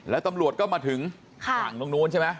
อ่าแล้วตำรวจเข้ามาถึงขวางตรงนู้นใช่ไหม